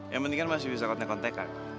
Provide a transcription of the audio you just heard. yang penting kan masih bisa kontek kontekan